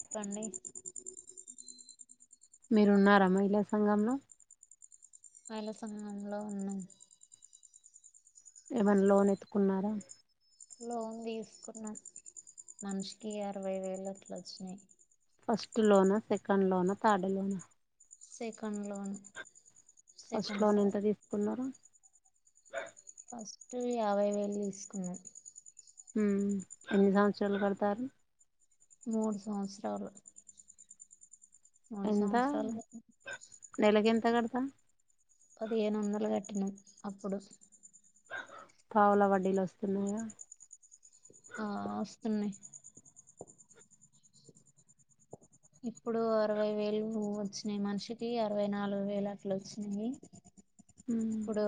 ప్పండి మీరున్నారా మహిళా సంఘంలో మహిళా సంఘంలో ఉన్నం. ఏమైన్న లోనెత్తుకున్నారా. లోన్ దీసుకున్నం మనిషికి అరవై వేలట్ల ఒచ్చినయి. ఫస్ట్ లోన సెకండ్ లోన థర్డ్ లోనా. Second loan. First second loan ఎంత సార్ తీసుకున్నరు. ఫస్ట్ యాభై వేలు తీసుకున్నం. మ్మ్ ఎన్ని సంవత్సరాలు కడతారు. మూడు సంవత్సరాలు. మూడు ఎంతా సంవత్సరాలు నెలకెంత కడతవ్. పదిహేనొందలు కట్టినమ్ అప్పుడు. పావుల వడ్డీలొస్తున్నాయా. ఆ ఓస్తున్నై. ఇప్పుడు అరవై వేలు ఒచ్చినయి మనిషికి అరవై నాలుగు వేలు అట్లోచ్చినాయి. ఉమ్, ఇప్పుడూ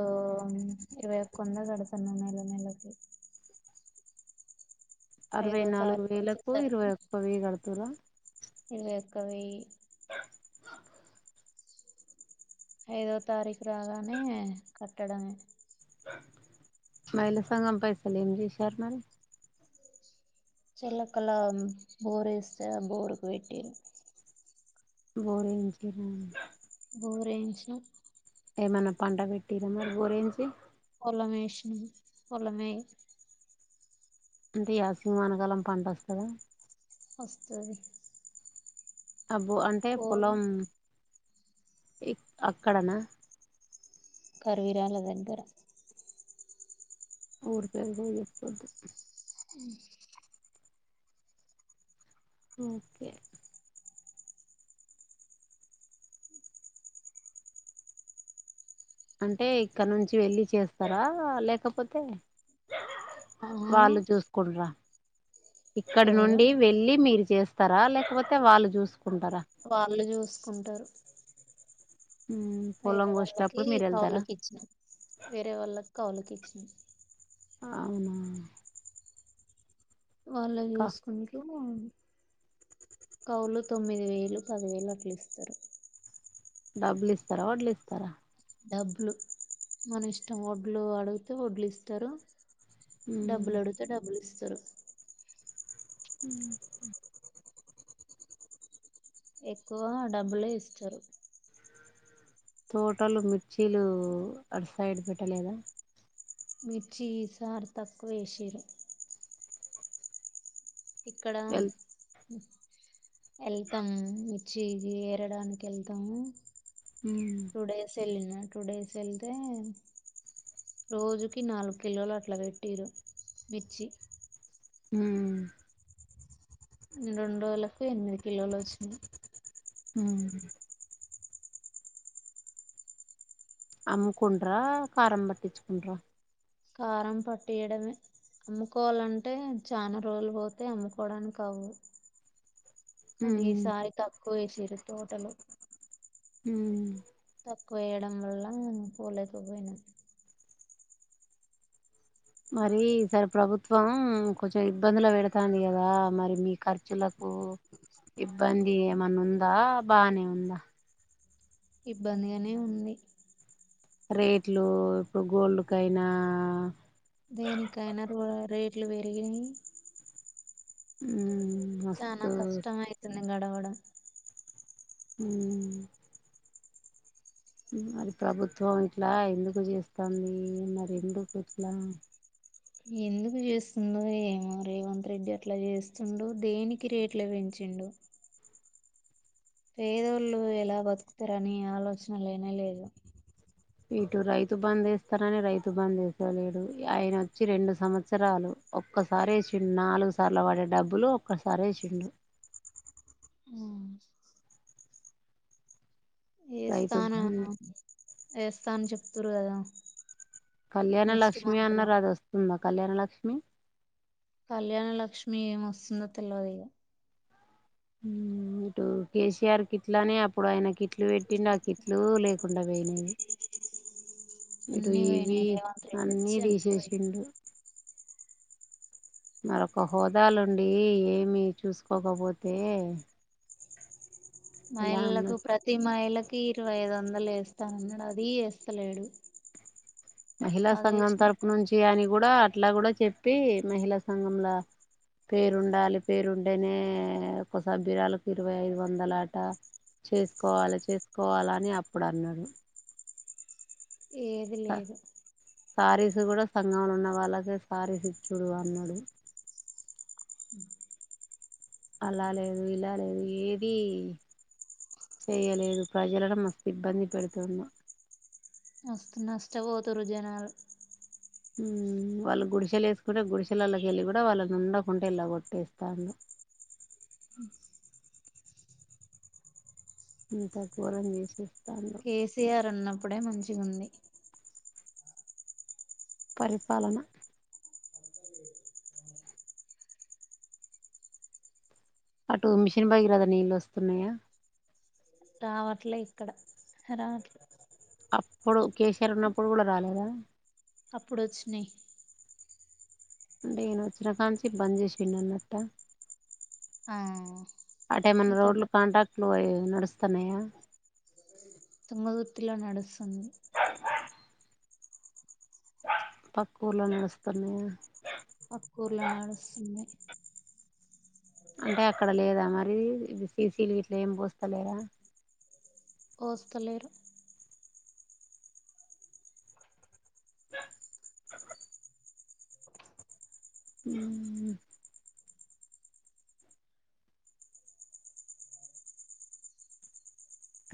ఇరవై ఒక్క ఒంద కడుతున్న నెల నెలకి. అరవై ఐదో నాలుగు తారీఖు వేలకు ఇరవై వచ్చేసరికి ఒక్కవెయ్యి గడుతుర్ర. ఇరవై ఒక్కవెయ్ [inaudible] ఐదో తారీకు రాగానే కట్టడమె. మహిళా సంఘం పైసలేం చేసార్ మరి. చిల్లకల బోరేస్తే ఆ బోరుకు వెట్టిన్రు. బోరెఇంచిన్రా బోరెయించినమ్ ఏమన్నా పంట పెట్టిర్ర మరి బోర్ ఎయించి పొలమేష్నం పొలమే అంటే యాసింగి వానకాలం పంట వస్తదా ఒస్తది అబ్బో అంటే పొలం ఇక్ అక్కడనా కర్విరాల దగ్గర ఊరి పేరు గుడ చెపోద్దు హ్మ్ ఓకే అంటే ఇక్కడ్నుంచి వెళ్ళి చేస్తారా లేకపోతే ఆ వాళ్ళు జూసుకుంట్రా ఇక్కడి ఎవరు నుండి వెళ్ళి మీరు జేస్తరా, లేకపోతే వాళ్ళు చూసుకుంటరా వాళ్ళు జూసుకుంటరు ఉమ్, పొలం వేరే వాళ్ళకి కోసేటప్పుడు మీరు వెళ్తారా కౌలుకిచ్చినమ్ వేరే వాళ్ళక్ కౌలుకిచ్చినం అవునా వాల్లే కా జూస్కుంట్రూ కౌలు తొమ్మిది వేలు, పదివేలు అట్లిస్తరు డబ్లిస్తరా, వడ్లిస్తారా? డబ్బులు, మన ఇష్టం వడ్లు అడుగితే వడ్లిస్తరు. ఉమ్, డబ్బులడుగుతే డబ్బులిస్తరు ఉమ్ హ్ ఎక్కువ డబ్బులే ఇస్తారు తోటలు మిర్చీలు అటు సైడ్ పెట్టలేదా మీర్చీ ఈసారి తక్కువేసిర్రు ఇక్కడ వెల్ ఎళ్తము మిర్చి ఏరడానికెళ్తము. టూ డేస్ ఎళ్ళిన టూ డేస్ ఎల్తే రోజుకి నాలుగు కిలోలట్లా పెట్టిర్రు మిర్చి ఉమ్ రెండ్రోజులకు ఎనిమిది కిలోలొచ్చినయి ఉమ్ అమ్ముకుంట్రా కారం బట్టిచ్చుకుంట్రా కారం పట్టీయడమే అమ్ముకోవాలంటే చానా రోజులు పోతే అమ్ముకోడానికవ్వు కనీ ఈసారి తక్కువేసిర్రు తోటలు ఉమ్ తక్కువేయడం వల్ల పోలేకపోయినా మరీ ఈసారి ప్రభుత్వం కొంచెం ఇబ్బందుల పెడతాంది కదా మరి మీ ఖర్చులక్ ఇబ్బంది ఏమన్నుందా, బానే ఉందా? ఇబ్బందిగనే ఉంది రేట్లు ఇప్పుడు గోల్డ్ కయినా దేనికైనా రో రేట్లు పెరిగినయి ఉమ్ హ్ చానా కష్టం అయితుంది గడవడం ఉమ్ మరి ప్రభుత్వం ఇట్లా ఎందుకు చేస్తాందీ, మరి ఎందుకు ఇట్లా? ఎందుకు జేస్తుందో ఏమో రేవంత్ రెడ్డి అట్ల జేస్తుండు దేనికి రేట్లు పెంచి ఇండు పేదోళ్ళు ఎలా బతుకుతరని ఆలోచనలేనే లేదు ఇటు రైతు బంద్ వేస్తారని రైతు బంద్ వేస్తలేడు ఆయన వచ్చి రెండు సంవత్సరాలు ఒక్కసారేసిండు నాలుగు సార్లు పడే డబ్బులు ఒక్కసారేసిండు [inaudible] రైతు ఏస్తాను బంద్ వేస్తానని చెప్తూరు కదా కళ్యాణ నెక్స్ట్ లక్ష్మి మంత్ లో అన్నారు అది వస్తుందా కళ్యాణ లక్ష్మి కళ్యాణ లక్ష్మీ ఏం వస్తుందో తెల్వదు ఇగ హు మ్మ్ ఇటు కేసీఆర్ కిట్లు అని అప్పుడు ఆయన కిట్లు పెట్టిండు ఆ కిట్లు లేకుండా పోయినయి [inaudible] అన్ని పోయినయి రేవంత్ రెడ్డి అన్నీ వచ్చి అన్ని పోయినయి తీసేసిండు మరొక హోదాలుండి ఏమి చూసుకోకపోతే ఎలా మహిళలకు అన్నారు ప్రతి మహిళకు కి ఇరవై ఐదు వందలు వేస్తానన్నాడు అది వేస్తలేడు మహిళా సంఘం తరపు నుంచి అని కూడా అట్లా కూడా చెప్పి మహిళా సంఘంలా పేరుండాలి పేరుండేనే ఒక సభ్యురాలకు ఇరవై ఐదు వందల ఆట చేసుకోవాలి చేసుకోవాల అని అప్పుడు అన్నారు ఏది లేదు శారీస్ కూడా సంఘంలో ఉన్న వాళ్ళకే శారీస్ ఇచ్చుడు అన్నాడు [inaudible] అలా లేదు ఇలా లేదు ఏది చేయలేదు ప్రజలను మస్తు ఇబ్బంది పెడుతున్నా మస్తు నష్టపోతుర్రు జనాలు హుమ్ వాళ్ళు గుడిసెలు వేసుకుంటే గుడిసెలళకి వెళ్లి కూడా వాళ్ళనిు ఉండకుంటే ఇలా కొట్టేస్తాడు [inaudible] ఇంత ఘోరం చేసి కేసీఆర్ ఉన్నప్పుడే మంచిగా ఉంది పరిపాలన అటు మిషన్ బగ రాదా నీళ్ళు వస్తున్నాయా రావట్లే ఇక్కడ రావట్లే అప్పుడు కేసీఆర్ ఉన్నప్పుడు కూడ రాలేదా అప్పుడొచ్చినయి అంటే ఈయన వచ్చినా కాంచీ బంద్ చేసిండ అన్నట్ట ఆ అటేమన్నా ఇతను రోడ్లు కాంట్రాక్ట్లు పట్టి నడుస్తున్నాయ తుంగతుర్తిలో నడుస్తుంది పక్కుర్లో నడుస్తున్నాయా ఊర్లో నడుస్తుంది అంటే అక్కడ లేదా మరి సీసీలు ఇట్లా ఏమి పోస్తలేర వోస్కలేరు మ్మ్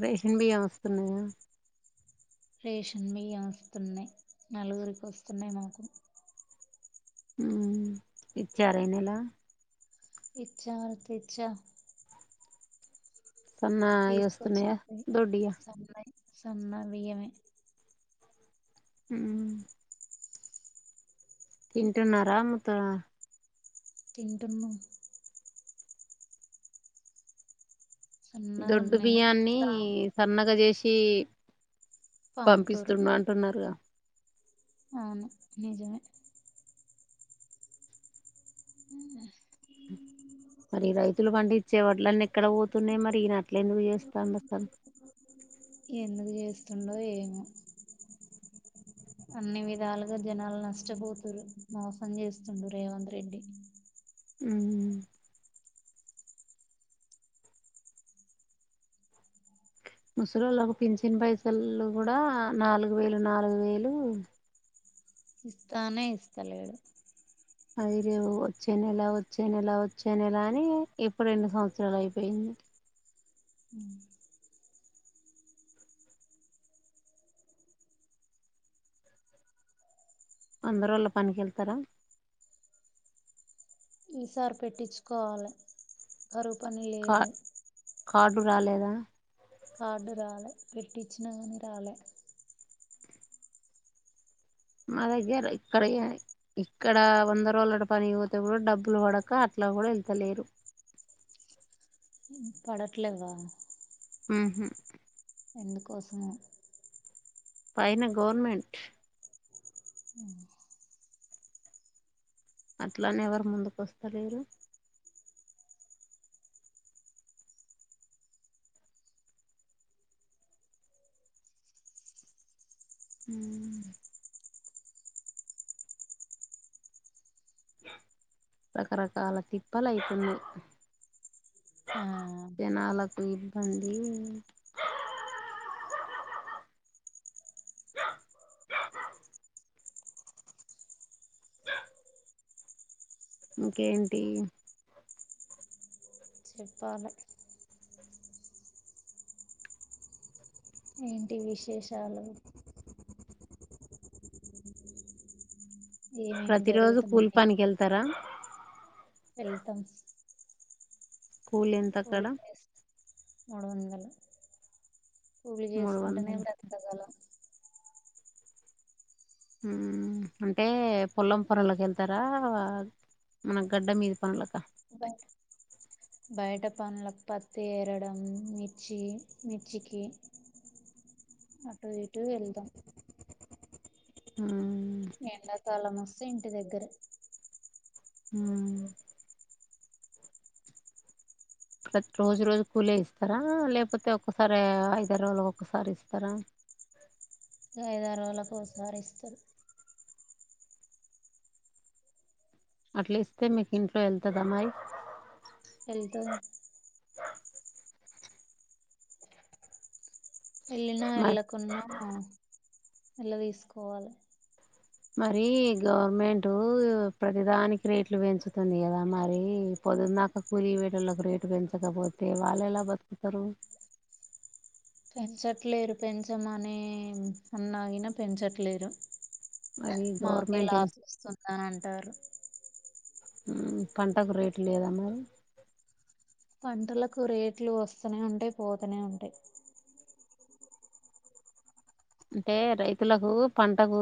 రేషన్ బియ్యం వస్తున్నాయా రేషన్ బియ్యం వస్తున్నయి నలుగురికి వస్తున్నయి మాకు మ్మ్ ఇచ్చార ఇ నేల ఇచ్చారు తెచ్చా సన్నా అయి వస్తున్నాయ తీసుకొచ్చినవి దొడ్డుయి యా సన్నయి సన్న బియ్యమే మ్ తింటున్నారా మూత్త తింటున్న సన్నగా దొడ్డు ఉన్నాయి బియ్యాన్ని సన్నగ చేసి పంపుతురు పంపిస్తున్నా అంటున్నారుగా అవును నిజమే మరి రైతులు పండించే వడ్లు అన్ని ఎక్కడ పోతున్నాయి మరి ఈయనట్ ఏం చేస్తాండు అసల్ వతుండో ఏమో అన్ని విధాలుగా జనాలు నష్టపోతుారు మోసం చేస్తుడు రేవంత్ రెడ్డి ముసలిళ్ళలకు పించిన పైసలు కూడా నాలుగు వేలు నాలుగు వేలు ఇస్తానే ఇస్తలేడు అది రేవు వచ్చే నెల వచ్చే నెల వచ్చే నెల అని ఎప్పుడు రెండు సంవత్సరాలు అయిపోయింది అందరు వాళ్ళ పనికి వెళ్తారా ఈసారి పెట్టించుకోవాలి కరువు పని లేదు ఇప్పుడు రాలేదా కార్డు రాలే పెట్టించిన కాని రాలే మా దగ్గర ఇక్కడ ఇక్కడ వంద రోజల పని పోతే కూడా డబ్బులు పడక అట్లా కూడా వెళ్తలేరు పడట్లేదా మ్మ్ హ్మ్ ఎందుకోసమో పైన గవర్నమెంట్ అ అట్లనే ఎవరు ముందుకు వస్తలేరు హ్మ్ రకరకాల తిప్పలు అయితుంది ఆ జనాలకు ఇబ్బంది ఇంకేంటి చెప్పాలే ఏంటి విశేషాలు ఏమేమి ప్రతి రోజు జరుగుతున్నాయి కూలిపానికి వెళ్తారా వెళ్తాం కూల్ ఎంత అక్కడ కూలి చేస్త మూడు వందలు పూలు మూడు చేసుకుంటేనే వందల బ్రతకగాలం మ్మ్ అంటే పొల్లం పన్లోకి వెళ్తారా మన గడ్డ మీది పనలేక బయట బయట పనులకు పత్తి ఏరడం మిర్చి మిర్చికి అటు ఇటు వెళ్దాం మ్మ్ నిండా తల మస్తు ఇంటి దగ్గర హ్మ్ ప్రతి రోజు రోజు కూలే ఇస్తారా లేకపోతే ఒక్కసారి ఐద రోజుల ఒక్కసారి ఇస్తారా అ ఐదు ఆరు రోజులకు ఒకసారి ఇస్తారు అట్లా ఇస్తే మీకు ఇంట్లో వెళ్తుదమ్మాయి వెళ్తూ వెళ్ళినా మరి వెళ్ళకున్నా ఎళ్ళ తీసుకోవాలి మరి గవర్నమెంటట్ ప్రతిదానికి రేట్లు పెంచుతుంది కదా మరి పోదు నాక కులీ వేటళకి రేటు పెంచకపోతే వాళ్ళు ఎలా బతుకుతారు పెంచట్లేరు పెంచమ అనే అన్నాగిన పెంచట్లేరు మరి మాకే గవర్నమెంట్ ఇన్- లాస్ వస్తుంది అంటారు పంటకు రేట్లు లేదమ్ మరి పంటలకు రేట్లు వస్తూనే ఉంటాయి పోతూనే ఉంటాయి అంటే రైతులకు పంటకు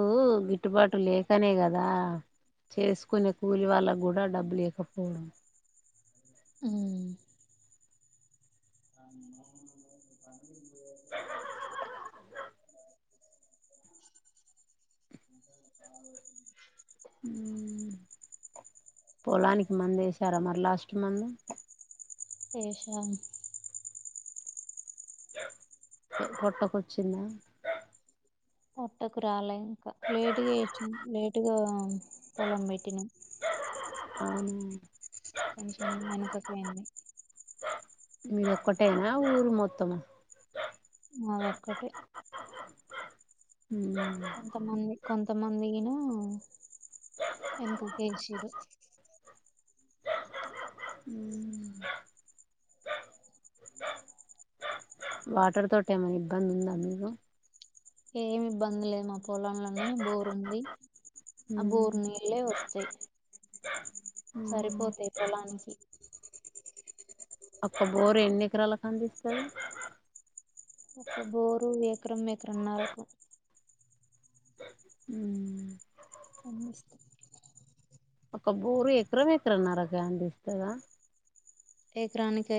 గిట్టుబాటు లేకనే కదా చేసుకునే కూలి వాళ్ళకు కూడా డబ్బు లేకపోవడం ఉమ్, [inaudible] పొలానికి మందు వేసారా మరి లాస్ట్ మంత్ వేసాను పొట్టకొచింద పోట్టకు రాలే ఇంక లేటుగా వేసాం లేటుగా పొలం పెట్టినాము ఆవును కొంచెం వెనుకపోయింది ఉ ఒక్కటేనా ఊరు మొత్తము అదొక్కటి ఉమ్. కొంతమంది కొంతమందికిను వెనకకువేసిడు ఉ వాటర్ తో ఏమైనా ఇబ్బంది ఉందా మీకు ఏమి ఇబ్బందిలేను పొలంలోనే బోరు ఉంది ఆ బోరు నీళ్ళే వస్తాయి సరిపోతాయి పొలానికి ఒక్క బోరు ఎన్ని ఎకరాలకు అందిస్తాది ఒక్క బోరు ఎకరం ఎకరన్నరకు ఉ కోమిస్త ఒక బోరు ఎకరం ఎకరన్నారకి అందిస్తాదా ఎకరానికే